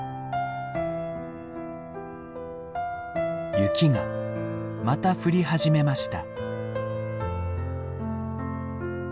雪がまた降り始めました。